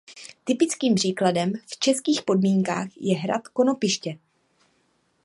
Typickým příkladem v českých podmínkách je hrad Konopiště.